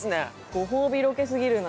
ご褒美ロケすぎるな。